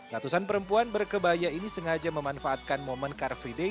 ratusan perempuan berkebaya ini sengaja memanfaatkan momen car free day